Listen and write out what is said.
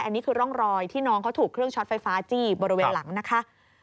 อันนี้คือร่องรอยที่น้องเขาถูกเครื่องช็อตไฟฟ้าจี้บริเวณหลังนะคะ